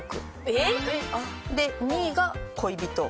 えっ？で２位が恋人。